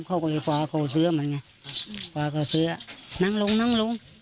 เขาก็เลยฟ้าเขาซื้อมาไงฟ้าก็ซื้อนั่งลงนั่งลง